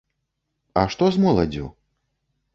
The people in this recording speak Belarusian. А што з моладдзю?